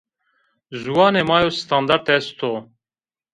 Ziwanê ma yo standard est o